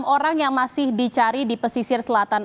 enam orang yang masih dicari di pesisir selatan